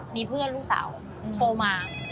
มีเพื่อนลูกสาวโทรมา